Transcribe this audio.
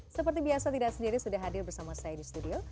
seperti biasa tidak sendiri sudah hadir bersama saya di studio